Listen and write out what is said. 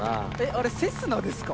あれセスナですか？